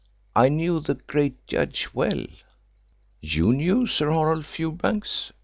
I knew the great judge well." "You knew Sir Horace Fewbanks?"